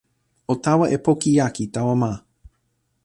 o tawa e poki jaki tawa ma.